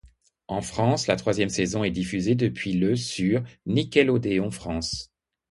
En France, la troisième saison est diffusée depuis le sur Nickelodeon France.